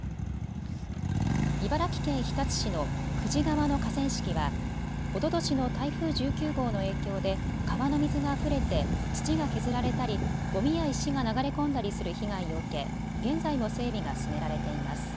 茨城県日立市の久慈川の河川敷はおととしの台風１９号の影響で川の水があふれて土が削られたりごみや石が流れ込んだりする被害を受け、現在も整備が進められています。